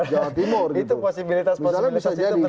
jawa timur itu posibilitas posibilitas itu penting